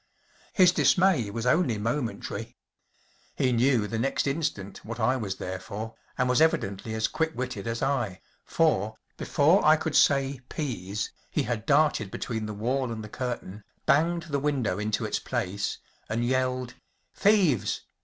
His dismay was only momentary. He knew the next instant what I was there for, and was evidently as quick witted as I, for, before I could say “ peas,‚ÄĚ he had darted between the wail and the curtain, banged the window into its place, and yelled “Thieves